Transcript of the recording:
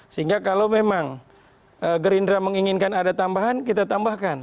sehingga kalau memang gerindra menginginkan ada tambahan kita tambahkan